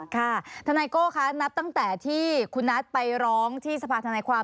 ค่ะทนายโก้คะนับตั้งแต่ที่คุณนัทไปร้องที่สภาธนาความ